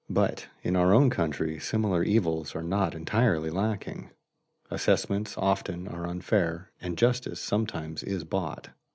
But in our own country similar evils are not entirely lacking. Assessments often are unfair, and justice sometimes is bought.